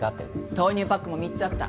豆乳パックも３つあった。